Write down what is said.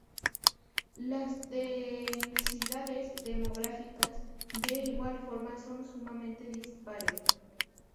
Las densidades demográficas de igual forma son sumamente dispares.